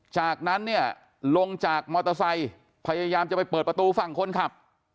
จากนั้นเนี่ยลงจากมอเตอร์ไซค์พยายามจะไปเปิดประตูฝั่งคนขับ